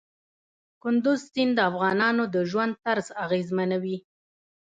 کندز سیند د افغانانو د ژوند طرز اغېزمنوي.